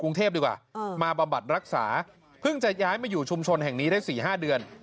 กรุงเทพดีกว่าเออมาประบัดรักษาเพิ่งจะย้ายมาอยู่ชุมชนแห่งนี้ได้สี่ห้าเดือน